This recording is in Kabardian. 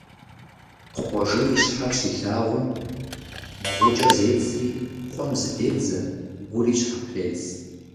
Хъуэжэ и щхьэр щилъагъум, бгъукӀэ зедзри къуэм зыдедзэ, гури щхьэпредз.